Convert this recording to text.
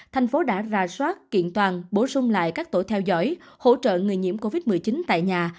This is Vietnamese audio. thành phố đã ra soát kiện toàn bổ sung lại các tổ theo dõi hỗ trợ người nhiễm covid một mươi chín tại nhà